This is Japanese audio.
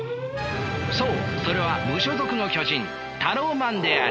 そうそれは無所属の巨人タローマンである。